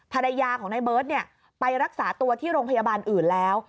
ภรรยาของนายเบิร์ตไปรักษาตัวที่โรงพยาบาลอื่นแล้ว